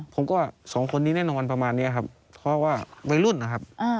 ผมก็สองคนนี้แน่นอนประมาณนี้ครับเพราะว่าวัยรุ่นนะครับ